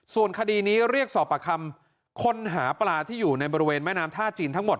ส่วนคดีนี้เรียกสอบประคำคนหาปลาที่อยู่ในบริเวณแม่น้ำท่าจีนทั้งหมด